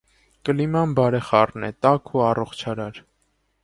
Կլիման բարեխառն է, տաք ու առողջարար։